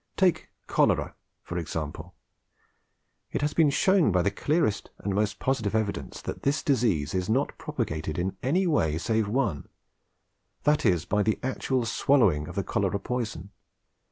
Take cholera, for example. It has been shown by the clearest and most positive evidence that this disease is not propagated in any way save one—that is, by the actual swallowing of the cholera poison.